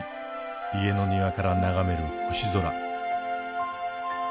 家の庭から眺める星空。